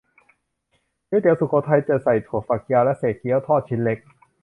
ก๋วยเตี๋ยวสุโขทัย จะใส่ถั่วฝักยาว และเศษเกี๊ยวทอดชิ้นเล็ก